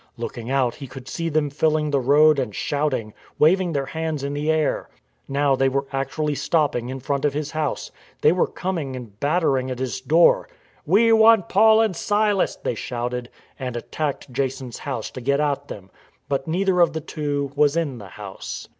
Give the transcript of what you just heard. Looking out he could see them filling the road and shouting, waving their hands in the air. Now they were actually stopping in front of his house. They were coming and battering at his door. "We want Paul and Silas," they shouted, and at 204 STORM AND STRESS tacked Jason's house to get at them; but neither of the two was in the house.